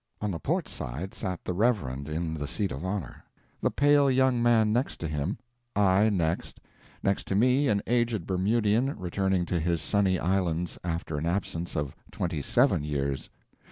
On the port side sat the Reverend in the seat of honor; the pale young man next to him; I next; next to me an aged Bermudian, returning to his sunny islands after an absence of twenty seven years.